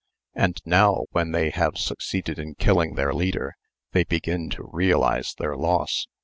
And now when they have succeeded in killing their leader, they begin to realize their loss.